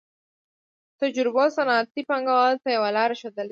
تجربو صنعتي پانګوالو ته یوه لار ښودلې ده